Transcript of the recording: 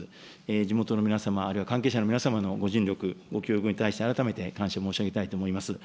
地元の皆様、あるいは関係者の皆様方のご尽力、ご協力に対して改めて感謝申し上げたいと思います。